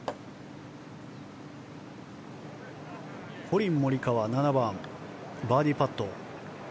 コリン・モリカワ７番のバーディーパット。